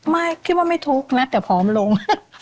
ไม่คิดว่าไม่ทุกข์นะแต่ผอมลง